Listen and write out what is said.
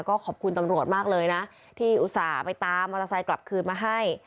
ก็ขอบคุณตำรวจมากเลยนะที่อุตส่าห์ไปตามมอเตอร์ไซค์กลับคืนมาให้